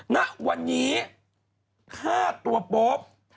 ณวันนี้ฆ่าตัวโป๊ป